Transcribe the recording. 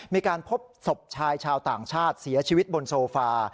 มีการพบศพชายชาวต่างชาติเสียชีวิตบนโซฟา